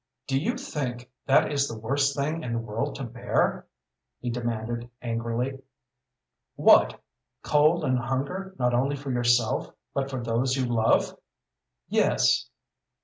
"Do you think that is the worst thing in the world to bear?" he demanded, angrily. "What? Cold and hunger not only for yourself, but for those you love?" "Yes."